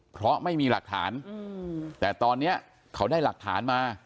เพราะไม่มีหลักฐานแต่ตอนนี้เขาได้หลักฐานมา